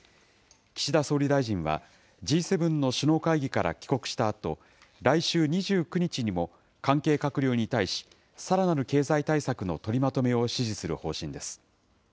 岸田総理大臣は、Ｇ７の首脳会議から帰国したあと、来週２９日にも関係閣僚に対し、さらなる経済対策の取りまとめを指示する方針です。